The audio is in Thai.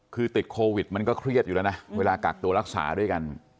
คือติดโควิดมันก็เครียดอยู่แล้วนะเวลากักตัวรักษาด้วยกัน